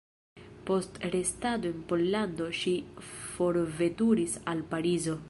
Post restado en Pollando ŝi forveturis al Parizo.